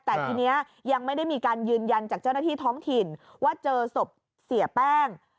แต่ทีนี้ยังไม่ได้มีการยืนยันจากเจ้าหน้าที่ท้องถิ่นว่าเจอศพเสียแป้ง